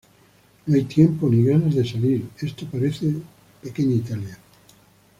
No hay tiempo ni ganas de salir esto parece little italy